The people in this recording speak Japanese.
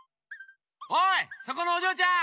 おいそこのおじょうちゃん！